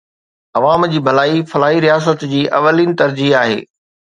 عوام جي ڀلائي فلاحي رياست جي اولين ترجيح آهي.